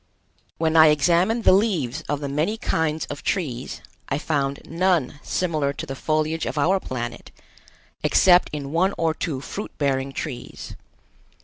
When I examined the leaves of the many kinds of trees, I found none similar to the foliage of our planet, except in one or two fruit bearing trees.